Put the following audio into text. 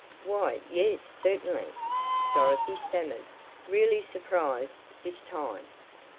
"Why, yes certainly," Dorothy stammered, really surprised this time.